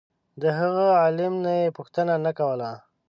د هغه عالم نه یې پوښتنه نه کوله.